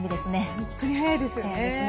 本当に早いですよね。